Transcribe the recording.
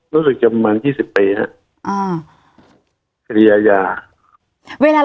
รู้สึกจะประมาณ๒๐ปีครับ